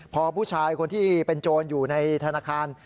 พอผู้ชายคนที่เป็นโจรอยู่ในธนาคาร